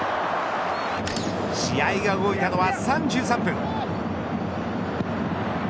試合が動いたの３３分。